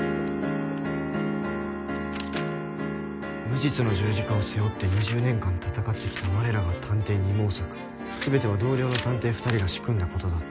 「無実の十字架を背負って２０年間戦ってきたわれらが探偵二毛作」「全ては同僚の探偵２人が仕組んだことだった」